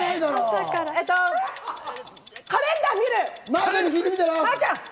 カレンダー見る！